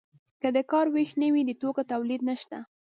که د کار ویش نه وي د توکو تولید نشته.